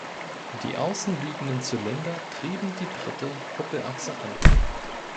Die außen liegenden Zylinder trieben die dritte Kuppelachse an.